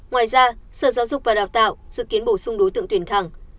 ngoài ra sở giáo dục và đào tạo dự kiến bổ sung đối tượng tuyển thẳng